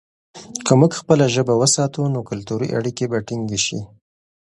که موږ خپله ژبه وساتو، نو کلتوري اړیکې به ټینګې شي.